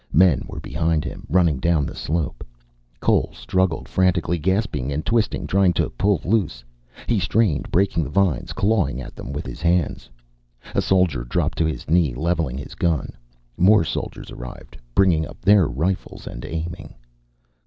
Men were behind him, running down the slope. Cole struggled frantically, gasping and twisting, trying to pull loose. He strained, breaking the vines, clawing at them with his hands. A soldier dropped to his knee, leveling his gun. More soldiers arrived, bringing up their rifles and aiming.